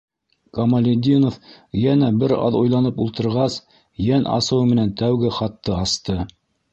Камалетдинов, йәнә бер аҙ уйланып ултырғас, йән асыуы менән тәүге хатты асты.